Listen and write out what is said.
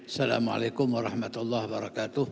assalamu'alaikum warahmatullahi wabarakatuh